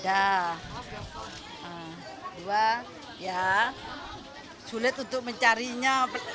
dua ya sulit untuk mencarinya